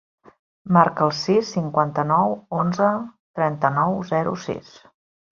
Marca el sis, cinquanta-nou, onze, trenta-nou, zero, sis.